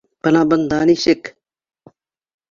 Бына бында нисек